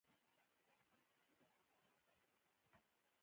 هلته چې پیسې مخکې روانې وي ټولې دروازې خلاصیږي.